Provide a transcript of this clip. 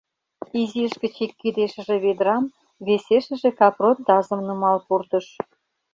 Изиш гыч ик кидешыже ведрам, весешыже капрон тазым нумал пуртыш.